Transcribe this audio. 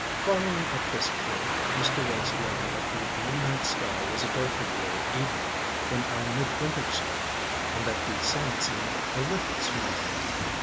Following up this clue, Mr. Wace learned that the midnight sky was a darker blue even than our midwinter sky, and that the sun seemed a little smaller.